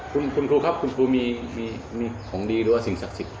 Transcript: คุณครูครับคุณครูมีของดีหรือว่าสิ่งศักดิ์สิทธิ